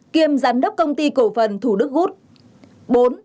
kiêm giám đốc công ty cổ phần thủ đức gút